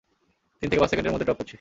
তিন থেকে পাঁচ সেকেন্ডের মধ্যে ড্রপ করছি।